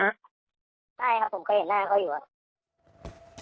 ใช่ครับผมก็เห็นหน้าเขาอยู่อะ